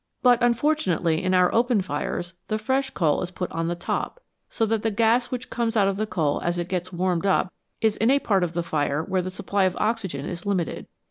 But unfortunately in our open fires the fresh coal is put on the top, so that the gas which comes out of the coal as it gets warmed up is in a part of the fire where the supply of oxygen is limited.